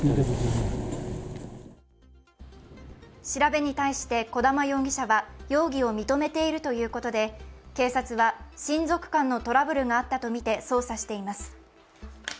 調べに対して児玉容疑者は容疑を認めているということで、警察は親族間のトラブルがあったとみて捜査しています。